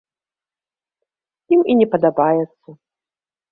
Ім і не падабаецца.